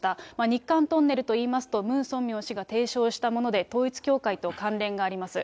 日韓トンネルといいますと、ムン・ソンミョン氏が提唱したもので、統一教会と関連があります。